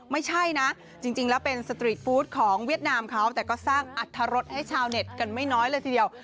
ไม่ใช่นะจริงแล้วเป็นสตรีทฟู้ดของเวียดนามเขาแต่ก็สร้างอัตรรสให้ชาวเน็ตกันไม่น้อยเลยทีเดียว